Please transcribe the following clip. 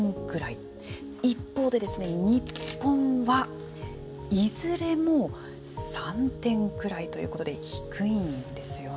一方でですね、日本は、いずれも３点くらいということで低いんですよね。